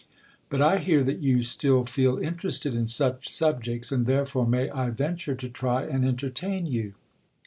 But I hear that you still feel interested in such subjects, and therefore may I venture to try and entertain you?"